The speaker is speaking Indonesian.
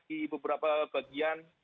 di beberapa bagian